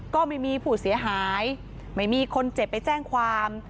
ก็ไม่มีผู้เสียหายไม่มีคนเจ็บไปแจ้งความ